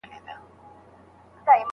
استاد د خپلو مسؤلیتونو په وړاندي ژمن دی.